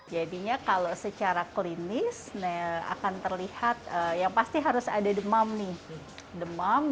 jadinya kalau secara klinis akan terlihat yang pasti harus ada demam nih demam